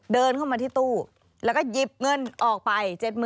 เดินเข้ามาที่ตู้แล้วก็หยิบเงินออกไป